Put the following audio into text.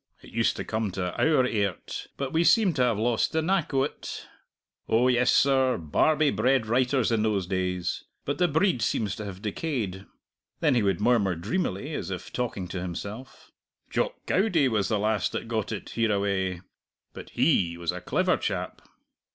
It used to come our airt, but we seem to have lost the knack o't! Oh yes, sir, Barbie bred writers in those days, but the breed seems to have decayed." Then he would murmur dreamily, as if talking to himself, "Jock Goudie was the last that got it hereaway. But he was a clever chap."